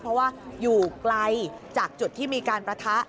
เพราะว่าอยู่ไกลจากจุดที่มีการประทะ